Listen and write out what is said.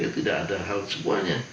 tidak ada hal semuanya